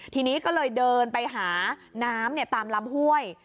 ทีนี้ก็เลยเดินไปหาน้ำตามลำห้วย